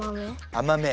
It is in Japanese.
甘め。